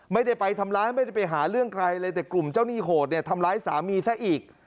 ไม่ได้ไปทำร้ายไม่ได้ไปหาเรื่องใครเลยแต่กลุ่มเจ้าหนี้โหดเนี่ยทำร้ายสามีซะอีก